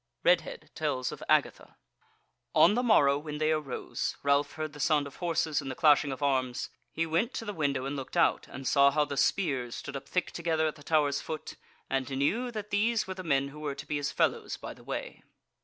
Redhead Tells of Agatha On the morrow when they arose, Ralph heard the sound of horses and the clashing of arms: he went to the window, and looked out, and saw how the spears stood up thick together at the Tower's foot, and knew that these were the men who were to be his fellows by the way.